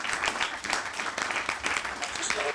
طوطي والوتی یوې او بلي خواته.